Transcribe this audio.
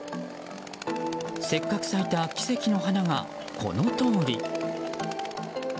せっかく咲いた奇跡の花がこのとおり。